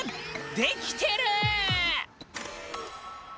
できてる！